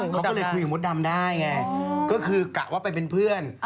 เขาก็เลยคุยกับมดดำได้ไงก็คือกะว่าไปเป็นเพื่อน